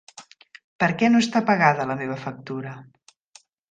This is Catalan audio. Per què no està pagada la meva factura?